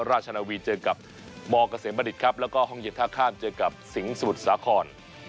นาวีเจอกับมเกษมบัณฑิตครับแล้วก็ห้องเย็นท่าข้ามเจอกับสิงห์สมุทรสาคร